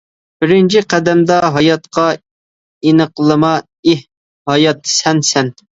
بىرىنچى قەدەمدە ھاياتقا ئېنىقلىما ئېھ ھايات سەن. سەن.